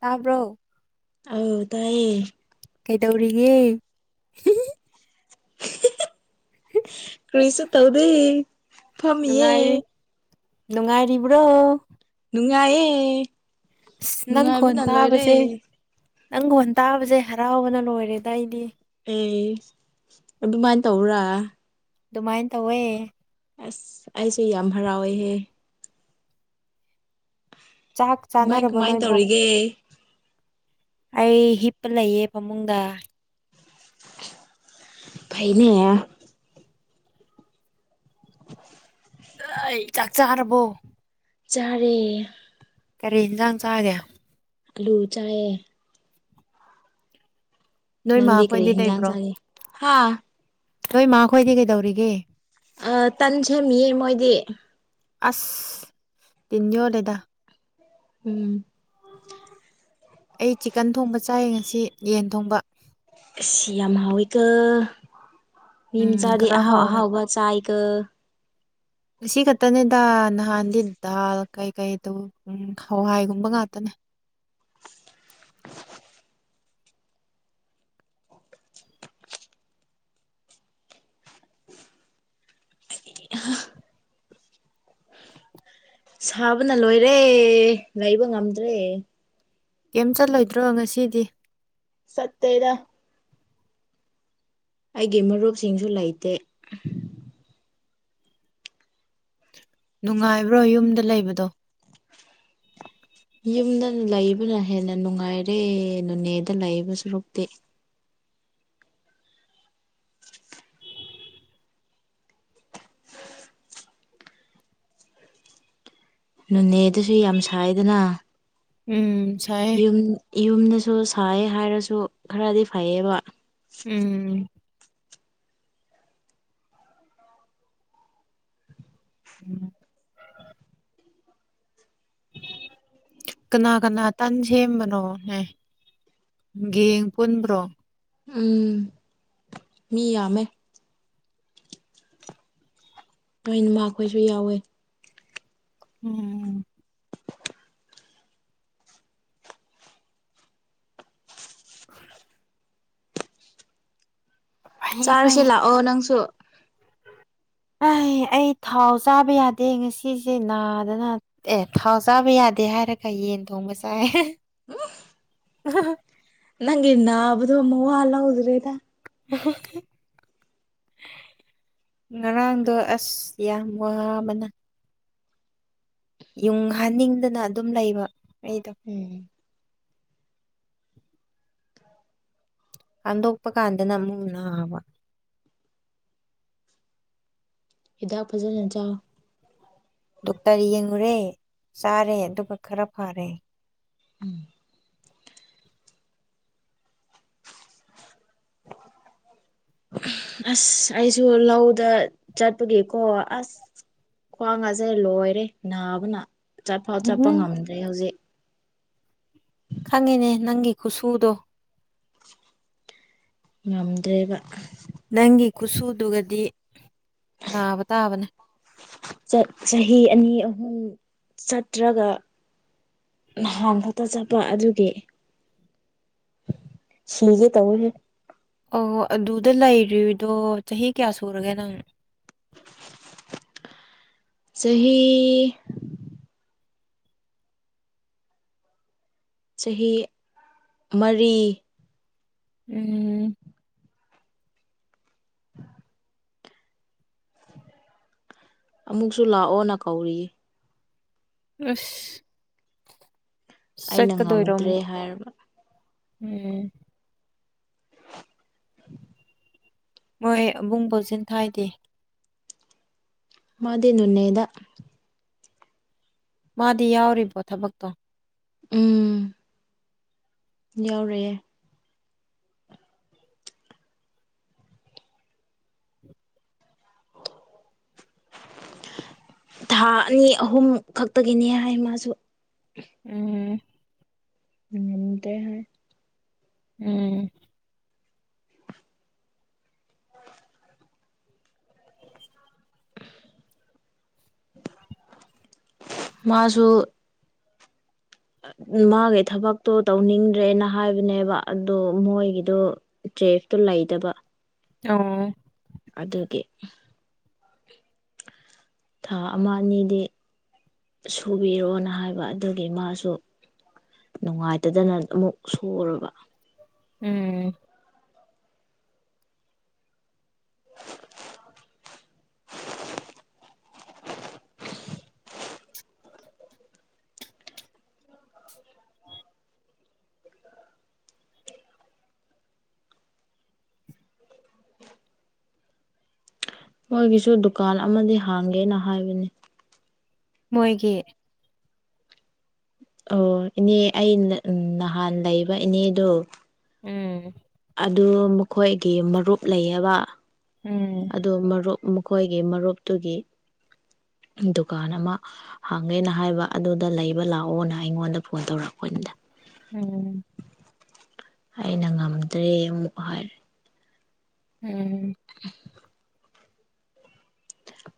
ꯇꯥꯕ꯭ꯔꯣ ꯑꯧ ꯇꯥꯏꯌꯦ ꯀꯩꯗꯧꯔꯤꯒꯦ [unintelligible] [unintelligible] ꯀꯔꯤꯁꯨ ꯇꯧꯗꯦ ꯐꯝꯃꯤꯌꯦ ꯅꯨꯡꯉꯥꯏꯔꯤ ꯅꯨꯡꯉꯥꯏꯔꯤꯕ꯭ꯔꯣ ꯅꯨꯡꯉꯥꯏꯌꯦ ꯑꯁ ꯅꯪ ꯈꯣꯟ ꯅꯨꯡꯉꯥꯏꯕꯅ ꯂꯣꯏꯔꯦ ꯇꯥꯕꯁꯦ ꯅꯪ ꯈꯣꯟ ꯇꯥꯥꯕꯁꯦ ꯍꯔꯥꯎꯕꯅ ꯂꯣꯏꯔꯦꯗ ꯑꯩꯗꯤ ꯑꯦ ꯑꯗꯨꯃꯥꯏꯅ ꯇꯧꯕꯔꯥ ꯑꯗꯨꯃꯥꯏꯅ ꯇꯧꯋꯦ ꯑꯁ ꯑꯩꯁꯦ ꯌꯥꯝ ꯍꯔꯥꯎꯋꯦꯍꯦ ꯆꯥꯛ ꯀꯃꯥꯏ ꯆꯥꯅꯔꯕꯣ ꯀꯃꯥꯏ ꯅꯣꯏꯕꯣ ꯇꯧꯔꯤꯒꯦ ꯑꯩ ꯍꯤꯞꯄ ꯂꯩꯌꯦ ꯐꯃꯨꯡꯗ ꯐꯩꯅꯦ ꯍꯩ ꯆꯥꯛ ꯆꯥꯔꯕꯣ ꯆꯥꯔꯦ ꯀꯔꯤ ꯌꯦꯟꯁꯥꯡ ꯆꯥꯒꯦ ꯑꯂꯨ ꯆꯥꯏꯌꯦ ꯅꯣꯏ ꯃꯥꯥ ꯅꯪꯗꯤ ꯀꯔꯤ ꯈꯣꯏꯗꯤ ꯍꯤꯟꯖꯥꯡ ꯂꯩꯕ꯭ꯔꯣ ꯆꯥꯒꯦ ꯍꯥ ꯅꯣꯏ ꯃꯥ ꯈꯣꯏꯗꯤ ꯀꯩꯗꯧꯔꯤꯒꯦ ꯑ ꯇꯟ ꯁꯦꯝꯃꯤꯌꯦ ꯃꯣꯏꯗꯤ ꯑꯁ ꯇꯤꯟ ꯌꯣꯠꯂꯦꯗ ꯎꯝ ꯑꯩ ꯆꯤꯀꯟ ꯊꯣꯡꯕ ꯆꯥꯏꯌꯦ ꯉꯁꯤ ꯌꯦꯟ ꯊꯣꯡꯕ ꯑ ꯌꯥꯝ ꯍꯥꯎꯋꯤꯀꯣ ꯎꯝ ꯃꯤꯃꯆꯥꯗꯤ ꯈꯔ ꯑꯍꯥꯎ ꯍꯥꯎꯔꯦ ꯑꯍꯥꯎꯕ ꯆꯥꯏ ꯀꯣ ꯉꯁꯤ ꯈꯛꯇꯅꯦꯗ ꯅꯍꯥꯟꯗꯤ ꯗꯥꯜ ꯀꯩꯀꯩ ꯎꯝ ꯍꯋꯥꯏꯒꯨꯝꯕ ꯉꯥꯛꯇꯅꯦ [unintelligible] ꯁꯥꯕꯅ ꯂꯣꯏꯔꯦ ꯂꯩꯕ ꯉꯝꯗ꯭ꯔꯦ ꯀꯩꯝ ꯆꯠꯂꯣꯏꯗ꯭ꯔꯣ ꯉꯁꯤꯗꯤ ꯁꯠꯇꯦꯗ ꯑꯩꯒꯤ ꯃꯔꯨꯞꯁꯤꯡꯁꯨ ꯂꯩꯇꯦ ꯅꯨꯡꯉꯥꯏꯕ꯭ꯔꯣ ꯌꯨꯝꯗ ꯂꯩꯕꯗꯣ ꯌꯨꯝꯗ ꯂꯩꯕꯅ ꯍꯦꯟꯅ ꯅꯨꯡꯉꯥꯏꯔꯦ ꯅꯅꯦꯗ ꯂꯩꯕ ꯁꯨꯔꯨꯛꯇꯦ ꯅꯨꯅꯦꯗꯁꯨ ꯌꯥꯝ ꯁꯥꯏꯗꯅ ꯎꯝ ꯁꯥꯏꯌꯦ ꯌꯨꯝꯗꯁꯨ ꯁꯥꯏ ꯍꯥꯏꯔꯁꯨ ꯈꯔꯗꯤ ꯐꯩꯌꯦꯕ ꯎꯝ ꯎꯝ ꯀꯅꯥ ꯀꯅꯥ ꯇꯟ ꯁꯦꯝꯕꯅꯣꯅꯦ ꯒꯡ ꯄꯨꯟꯕ꯭ꯔꯣ ꯎꯝ ꯃꯤ ꯌꯥꯃꯦ ꯍꯃꯈꯣꯏꯁꯨ ꯌꯥꯎꯋꯦ ꯎꯝ [unintelligible] ꯐꯩ ꯐꯩ ꯆꯥꯔꯁꯦ ꯂꯥꯛꯑꯣ ꯅꯪꯁꯨ ꯑꯩ ꯑꯩ ꯊꯥꯎ ꯆꯥꯕ ꯌꯥꯗꯦ ꯉꯁꯤꯁꯦ ꯅꯥꯗꯅ ꯑꯦ ꯊꯥꯎ ꯆꯥꯕ ꯌꯥꯗꯦ ꯍꯥꯏꯔꯦ ꯈꯔ ꯈ ꯌꯦꯟ ꯊꯣꯡꯕꯁꯥꯏ ꯎ ꯑ ꯅꯪ ꯏꯟꯅꯕꯗ ꯃꯣꯂ ꯎꯗ꯭ꯔꯦꯗ ꯍ ꯉꯔꯥꯡꯗꯣ ꯑꯁ ꯌꯥꯝ ꯋꯥꯕꯅ ꯌꯨꯡꯍꯟꯅꯤꯡꯗꯅ ꯑꯗꯨꯝ ꯂꯩꯕ ꯑꯩꯗꯣ ꯎꯝ ꯍꯟꯗꯣꯛꯄ ꯀꯥꯟꯗꯅ ꯑꯃꯨꯛ ꯕ ꯍꯤꯗꯥꯛ ꯐꯖꯅ ꯆꯥꯎ ꯗꯨꯇ ꯌꯦꯡꯨꯔꯦ ꯆꯥꯔꯦ ꯑꯗꯨꯒ ꯈꯔ ꯐꯔꯦ ꯎꯝ ꯑꯁ ꯑꯩꯁꯨ ꯂꯧꯗ ꯆꯠꯄꯒꯤꯦꯀꯣ ꯑꯁ ꯈ꯭ꯋꯥꯡ ꯉꯥꯁꯦ ꯂꯣꯏꯔꯦ ꯅꯥꯕꯅ ꯆꯠꯐꯥꯎ ꯆꯠꯄ ꯎꯝ ꯉꯝꯗ꯭ꯔꯦ ꯍꯧꯖꯤꯛ ꯈꯪꯉꯅꯦ ꯅꯪꯒꯤ ꯈꯨꯁꯨꯨꯎꯗꯣ ꯉꯝꯗ꯭ꯔꯦꯕ ꯅꯪꯒꯤ ꯈꯨꯠꯁꯨꯗꯨꯒꯗꯤ ꯅꯥꯕ ꯇꯥꯕꯅꯦ ꯆꯍꯤ ꯑꯅꯤ ꯑꯍꯨꯝ ꯆꯠꯇ꯭ꯔꯒ ꯅꯍꯥꯟ ꯈꯛꯇ ꯆꯠꯄ ꯑꯗꯨꯒꯤ ꯁꯤꯒꯦ ꯇꯕꯨ ꯍꯦ ꯑꯣ ꯑꯗꯨꯗ ꯂꯩꯗꯣ ꯆꯍꯤ ꯀꯌꯥ ꯁꯨꯔꯒꯦ ꯅꯪ ꯆꯍꯤꯍ ꯆꯍꯤ ꯃꯔꯤ ꯎꯝ ꯑꯃꯨꯛꯁꯨ ꯂꯥꯛꯑꯣꯅ ꯀꯧꯔꯤꯌꯦ ꯎ ꯑꯩꯅ ꯆꯀꯗ ꯑꯣꯏꯔꯃ ꯉꯝꯗ꯭ꯔꯦ ꯍꯥꯏꯔꯕ ꯎꯝ [unintelligible] ꯃꯣꯏ ꯑꯕꯨꯡ ꯄꯣꯁꯤꯟ ꯊꯥꯏꯗꯦ ꯃꯥꯗꯤꯅꯅꯩꯗ ꯃꯥꯗꯤ ꯌꯥꯎꯔꯤꯕꯣ ꯊꯕꯛꯇꯣ ꯎꯝ ꯌꯥꯎꯔꯦꯌꯦ ꯊꯥ ꯑꯅꯤ ꯑꯍꯨꯝ ꯈꯛꯇꯒꯤꯅꯦ ꯍꯥꯏ ꯃꯥꯁꯨ ꯎꯝ ꯎꯝꯇ ꯍꯥꯏ ꯎꯝ ꯃꯥꯁꯨ ꯃꯥꯒꯤ ꯊꯕꯛꯇꯣ ꯇꯧꯅꯤꯡꯗ꯭ꯔꯦꯅ ꯍꯥꯏꯕꯅꯦꯕ ꯑꯗꯨ ꯃꯣꯏꯒꯤꯗꯣ ꯇ꯭ꯔꯦꯐꯇꯨ ꯂꯩꯗꯕ ꯑꯣ ꯑꯗꯨꯒꯤ ꯊꯥ ꯑꯃ ꯑꯅꯤꯗꯤ ꯁꯨꯕꯤꯔꯣꯑꯣꯅ ꯍꯥꯏꯕ ꯑꯗꯨꯒꯤ ꯃꯥꯁꯨ ꯅꯨꯡꯉꯥꯏꯇꯗꯅ ꯑꯃꯨꯛ ꯁꯨꯔꯕ ꯎꯝ ꯃꯣꯏꯒꯤꯁꯨ ꯗꯨꯀꯥꯟ ꯑꯃꯗꯤ ꯍꯥꯡꯒꯦꯅ ꯍꯥꯏꯕꯅꯤ ꯃꯣꯏꯒꯤ ꯑꯣ ꯏꯅꯦ ꯑꯩ ꯅꯍꯥꯟ ꯂꯩꯕ ꯏꯅꯦꯗꯣ ꯎꯝ ꯑꯗꯨ ꯃꯈꯣꯏꯒꯤ ꯃꯔꯨꯞ ꯂꯩꯌꯦꯕ ꯎꯝ ꯑꯗꯨ ꯃꯔꯨꯞ ꯃꯈꯣꯏꯒꯤ ꯃꯔꯨꯞꯇꯨꯒꯤ ꯗꯨꯀꯥꯟ ꯑꯃ ꯍꯥꯡꯉꯦꯅ ꯍꯥꯏꯕ ꯑꯗꯨꯗ ꯂꯩꯕ ꯂꯥꯛꯑꯣꯅ ꯑꯩꯉꯣꯟꯗ ꯐꯣꯟ ꯇꯧꯔꯛꯄ ꯀꯗ ꯎꯝ ꯑꯩꯅ ꯉꯝꯗ꯭ꯔꯦ ꯑꯃꯨꯛ ꯍꯥꯏꯔꯦ ꯎꯝ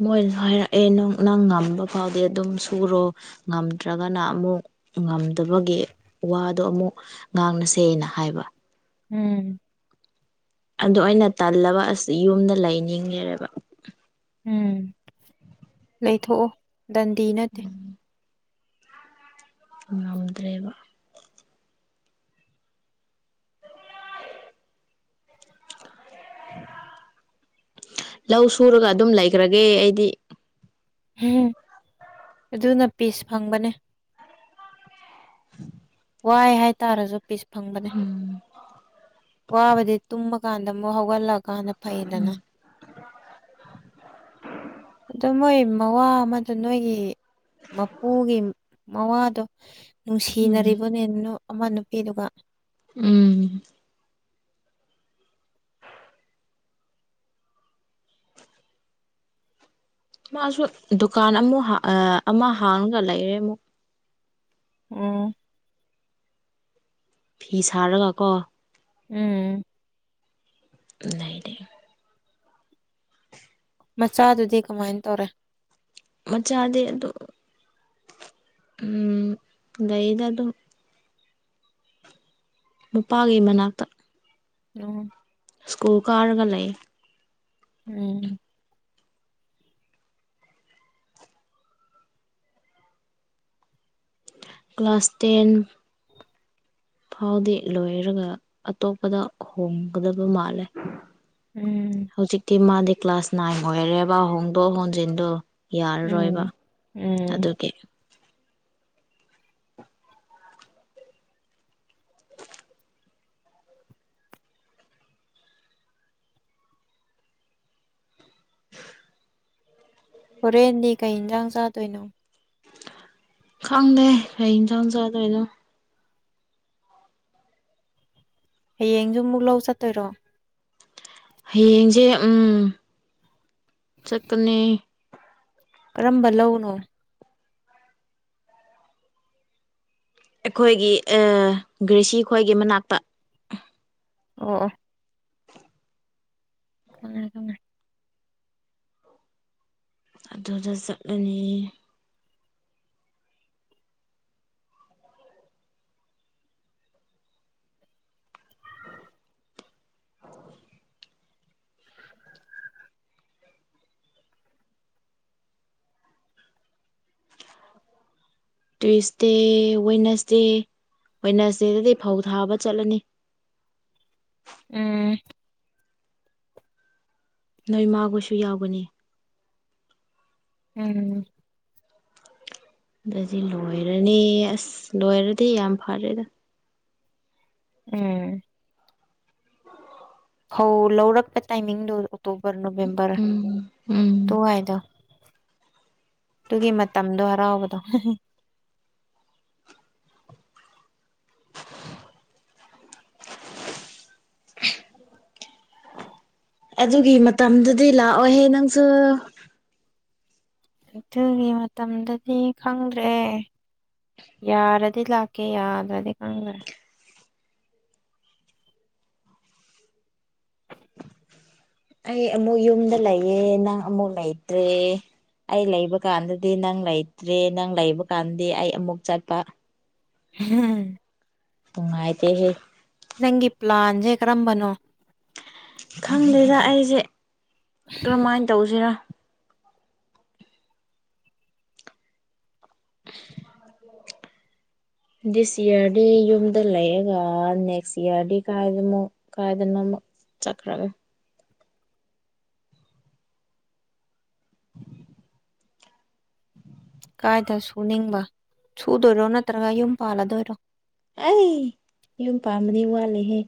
[inaudible] ꯃꯣꯏꯁꯨ ꯍꯥꯏꯔꯛꯑꯦ ꯅꯪ ꯉꯝꯕ ꯐꯥꯎꯗꯤ ꯑꯗꯨꯝ ꯁꯨꯔꯣ ꯉꯝꯗ꯭ꯔꯒꯅ ꯑꯃꯨꯛ ꯉꯝꯗꯕꯒꯤ ꯋꯥꯗꯣ ꯑꯃꯨꯛ ꯉꯥꯡꯅꯁꯦꯅ ꯍꯥꯏꯕ ꯎꯝ ꯑꯗꯨ ꯑꯩꯅ ꯇꯜꯂꯕ ꯑꯁꯤ ꯌꯨꯝꯗ ꯂꯩꯅꯤꯡꯉꯦꯕ ꯎꯝ ꯂꯩꯊꯣꯛꯑꯣ ꯗꯟꯗꯤ ꯅꯠꯇꯦ ꯉꯝꯗ꯭ꯔꯦꯕ ꯂꯧ ꯁꯨꯔꯒ ꯑꯗꯨꯝ ꯂꯩꯈ꯭ꯔꯒꯦ ꯑꯩꯗꯤ ꯎꯝ ꯑꯗꯨꯅ ꯄꯤꯁ ꯐꯪꯕꯅꯦ [inaudible] ꯋꯥꯏ ꯍꯥꯏꯇꯥꯔꯁꯨ ꯄꯤꯁ ꯐꯪꯕꯅꯦ ꯋꯥꯕꯗꯤ ꯇꯨꯝꯃ ꯀꯥꯟꯗ ꯑꯃꯨꯛ ꯍꯧꯒꯠꯂꯛ ꯀꯥꯟꯅ ꯐꯩꯗꯅ ꯑꯗꯨ ꯃꯣꯏ ꯃꯋꯥ ꯑꯃꯗ ꯅꯣꯏꯒꯤ ꯃꯄꯨꯒꯤ ꯃꯋꯥꯗꯣ ꯎꯝ ꯅꯨꯡꯁꯤꯅꯔꯤꯕ ꯑꯃ ꯅꯨꯄꯤꯗꯨꯒ ꯎꯝ ꯃꯥꯁꯨ ꯗꯨꯀꯥꯟ ꯑꯃꯨꯛ ꯑꯃ ꯍꯥꯡꯉꯒ ꯂꯩꯔꯦ ꯑꯃꯨꯛ ꯎꯝ ꯐꯤ ꯁꯥꯔꯒ ꯀꯣ ꯎꯝ ꯂꯩ ꯂꯩ ꯃꯆꯥꯗꯨꯗꯤ ꯀꯃꯥꯏꯅ ꯇꯧꯔꯦ ꯃꯆꯥꯗꯤ ꯑꯗꯨ ꯎꯝ ꯂꯩꯗ ꯑꯗꯨꯝ ꯅꯨꯄꯥꯒꯤ ꯃꯅꯥꯛꯇ ꯑꯝ ꯁ꯭ꯀꯨꯜ ꯀꯥꯔꯒ ꯂꯩ ꯎꯝ ꯀ꯭ꯂꯥꯁ ꯇꯦꯟ ꯐꯥꯎꯗꯤ ꯂꯣꯏꯔꯒ ꯑꯇꯣꯞꯄꯗ ꯍꯣꯡꯒꯗꯕ ꯃꯥꯜꯂꯦ ꯎꯝ ꯍꯧꯖꯤꯛꯇꯤ ꯃꯥꯗꯤ ꯀ꯭ꯂꯥꯁ ꯅꯥꯏꯟ ꯑꯣꯏꯔꯔꯦꯕ ꯍꯣꯡꯗꯣꯛ ꯍꯣꯟꯖꯤꯟꯗꯣ ꯌꯥꯔꯔꯣꯏꯕ ꯎꯝ ꯎꯝ ꯑꯗꯨꯒꯤ ꯍꯣꯔꯦꯟꯗꯤ ꯀꯩ ꯏꯟꯖꯥꯡ ꯆꯥꯗꯣꯏꯅꯣ ꯈꯪꯗꯦ ꯀꯩ ꯌꯦꯟꯁꯥꯡ ꯆꯥꯗꯣꯏꯅꯣ ꯍꯌꯦꯡꯁꯨ ꯑꯃꯨꯛ ꯂꯧ ꯆꯠꯇꯣꯏꯔꯣ ꯍꯌꯦꯡꯁꯦ ꯎꯝ ꯆꯠꯀꯅꯤ ꯀꯔꯝꯕ ꯂꯧꯅꯣ ꯑꯩꯈꯣꯏꯒꯤ ꯒ꯭ꯔꯦꯁꯤ ꯈ꯭ꯋꯣꯏꯒꯤ ꯃꯅꯥꯛꯇ ꯑꯣ ꯈꯪꯉꯦ ꯈꯪꯉꯦ ꯑꯗꯨꯗ ꯆꯠꯂꯅꯤ [inaudible] ꯇ꯭ꯋꯤꯁꯗꯦ ꯋꯦꯠꯅꯁꯗꯦ ꯋꯦꯠꯅꯁꯗꯦ ꯗꯗꯤ ꯐꯧ ꯊꯥꯕ ꯆꯠꯂꯅꯤ ꯎꯝ ꯅꯣꯏ ꯃꯥꯒꯣꯏꯁꯨ ꯌꯥꯎꯒꯅꯤ ꯎꯝ ꯑꯗꯨꯗꯗꯤ ꯂꯣꯏꯔꯅꯤ ꯑꯁ ꯂꯣꯏꯔꯗꯤ ꯌꯥꯝ ꯐꯔꯦꯗ ꯎꯝ ꯐꯧ ꯂꯧꯔꯛꯄ ꯇꯥꯏꯃꯤꯡꯗꯣ ꯑꯣꯛꯇꯨꯕꯔ ꯅꯕꯦꯝꯕꯔ ꯎꯝ ꯎꯝ ꯑꯗꯨꯋꯥꯏꯗꯣ ꯑꯗꯨꯒꯤ ꯃꯇꯝꯗꯣ ꯍꯔꯥꯎꯕꯗꯣ ꯑꯗꯨꯒꯤ ꯃꯇꯝꯗꯨꯗꯤ ꯂꯥꯛꯑꯣꯏꯍꯦ ꯅꯪꯁꯨ ꯑꯗꯨꯒꯤ ꯃꯇꯝꯗꯗꯤ ꯈꯪꯗ꯭ꯔꯦ ꯌꯥꯔꯗꯤ ꯂꯥꯛꯀꯦ ꯌꯥꯗꯔꯗꯤ ꯈꯪꯗꯔꯦ ꯑꯩ ꯑꯃꯨꯛ ꯌꯨꯝꯗ ꯂꯩꯌꯦ ꯅꯪ ꯑꯃꯨꯛ ꯂꯩꯇ꯭ꯔꯦ ꯑꯩ ꯂꯩꯕ ꯀꯥꯟꯗꯗꯤ ꯅꯪ ꯂꯩꯇ꯭ꯔꯦ ꯅꯪ ꯂꯩꯕ ꯀꯥꯟꯗꯗꯤ ꯑꯩ ꯑꯃꯨꯛ ꯆꯠꯄ ꯍꯝ ꯨꯅꯨꯡꯉꯥꯏ ꯇꯦ ꯍꯦ ꯅꯪꯒꯤ ꯄ꯭ꯂꯥꯟꯁꯦ ꯀꯔꯝꯕꯅꯣ ꯈꯪꯗꯦꯗ ꯑꯩꯁꯦ ꯀꯔꯝꯍꯥꯏꯅ ꯇꯧꯁꯤꯔꯥ ꯑ [inaudible] ꯗꯤꯁ ꯏꯌꯥꯔꯗꯤ ꯌꯨꯝꯗ ꯂꯩꯔꯒ ꯅꯦꯛꯁ ꯏꯌꯥꯔꯗꯤ ꯀꯥꯏꯗꯅꯣ ꯀꯥꯏꯗꯅꯣ ꯑꯃ ꯆꯠꯈꯔꯒꯦ ꯀꯥꯏꯗ ꯁꯨꯅꯤꯡꯕ ꯁꯨꯗꯣꯏꯔꯣ ꯅꯠꯇ꯭ꯔꯒ ꯌꯨꯝ ꯄꯥꯜꯂꯥ ꯗꯣꯏꯔꯣ ꯑꯩ ꯌꯨꯝ ꯄꯥꯝꯕꯗꯤ ꯋꯥꯠꯂꯤꯍꯦ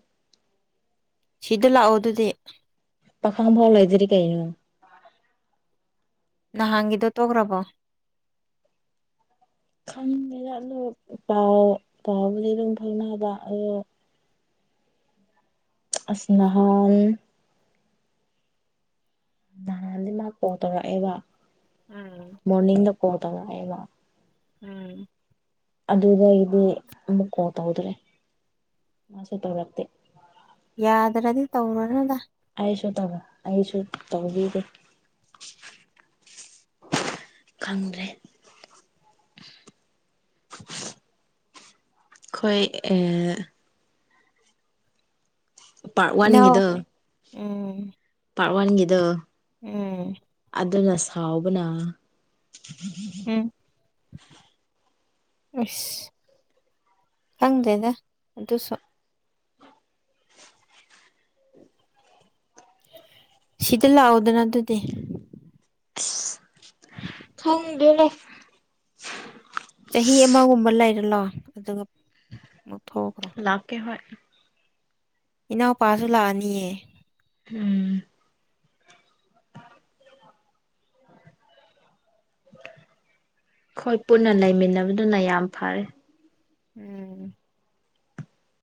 ꯁꯤꯗ ꯂꯥꯛꯑꯣꯗꯨꯗꯤ ꯄꯥꯈꯪ ꯑꯃꯐꯥꯎ ꯂꯩꯥꯏꯇꯔꯤ ꯀꯩꯅꯣ ꯅꯍꯥꯟꯒꯤꯗꯣ ꯇꯣꯛꯈ꯭ꯔꯕꯣ ꯈꯪꯗꯦꯗꯥ ꯑꯗꯨ ꯄꯥꯎ ꯄꯥꯎꯕꯨꯗꯤ ꯑꯗꯨꯝ ꯐꯥꯎꯅꯕ ꯑꯗꯣ ꯑꯁ ꯅꯍꯥꯟ ꯅꯍꯥꯟꯗꯤ ꯃꯥ ꯀꯣꯜ ꯇꯧꯔꯛꯑꯦꯕ ꯎꯝ ꯃꯣꯔꯅꯤꯡꯗ ꯍꯣꯇ ꯉꯑꯕ ꯎꯝ ꯑꯗꯨꯗꯒꯤꯗꯤ ꯑꯃꯨꯛ ꯀꯣ ꯇꯧꯗ꯭ꯔꯦ ꯃꯥꯁꯨ ꯇꯧꯔꯛꯇꯦ ꯌꯥꯗ꯭ꯔꯗꯤ ꯇꯧꯔꯣꯅꯗ ꯑꯩꯁꯨ ꯇꯧꯕ ꯑꯩꯁꯨ ꯇꯧꯈꯤꯗꯦ ꯈꯪꯗ꯭ꯔꯦ ꯈꯣꯏ ꯑ ꯄ ꯏꯅꯥꯎ ꯋꯥꯟꯒꯤꯗꯣ ꯎꯝ ꯀꯥ ꯋꯥꯟꯒꯗꯔ ꯎꯝ ꯑꯗꯨꯗꯅ ꯁꯥꯎꯕꯅ ꯎꯝ ꯑꯁ ꯈꯪꯗꯦꯗ ꯑꯗꯨꯁꯨ ꯁꯤꯇꯂ ꯑꯣꯗꯅꯗꯗꯤ ꯊꯪꯗꯅꯦ ꯆꯍꯤ ꯑꯃꯒꯨꯝꯕ ꯂꯩꯔꯂꯣ ꯑꯗꯨꯒ ꯑꯃꯨꯛ ꯊꯣꯛꯈ꯭ꯔꯣ ꯂꯥꯚ ꯀꯦ ꯍ ꯏꯅ ꯄꯥꯁꯨꯂꯑꯅꯤꯌꯦ ꯎꯝ [unintelligible] ꯍꯣꯏ ꯄꯨꯟꯅ ꯂꯩꯃꯤꯟꯅꯕꯗꯨꯅ ꯌꯥꯝ ꯐꯔꯦ ꯎꯝ